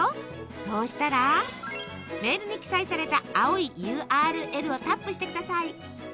そうしたらメールに記載された青いＵＲＬをタップしてください。